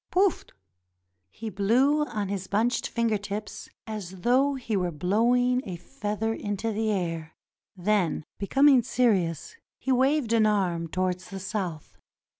PoufT' He blew on his bunched finger tips as though he were blowing a feather into the air. Then becoming serious, he waved an arm towards the South.